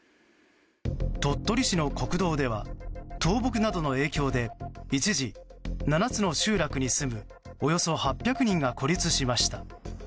鳥取市の国道では倒木などの影響で一時７つの集落に住むおよそ８００人が孤立しました。